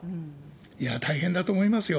いやぁ、大変だと思いますよ。